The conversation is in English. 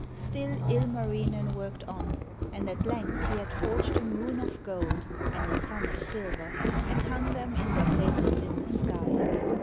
Still Ilmarinen worked on, and at length he had forged a moon of gold and a sun of silver, and hung them in their places in the sky.